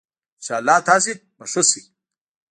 ان شاءاللّه تاسي به ښه سئ